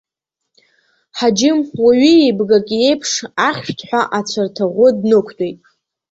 Ҳаџьым, уаҩы еибгак иеиԥш, ахьшәҭҳәа ацәарҭаӷәы днықәтәеит.